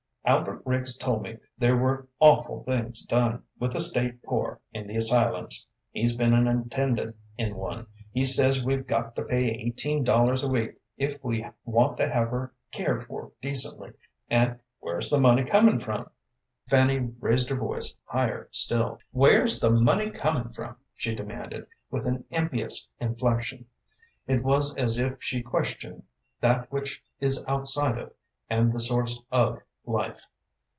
Albert Riggs told me there were awful things done with the State poor in the asylums. He's been an attendant in one. He says we've got to pay eighteen dollars a week if we want to have her cared for decently, and where's the money comin' from?" Fanny raised her voice higher still. "Where's the money comin' from?" she demanded, with an impious inflection. It was as if she questioned that which is outside of, and the source of, life.